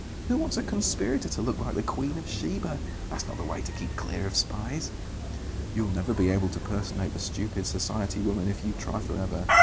Who wants a conspirator to look like the Queen of Sheba? That's not the way to keep clear of spies." "You'll never be able to personate the stupid society woman if you try for ever.